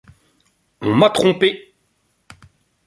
On m’a trompé!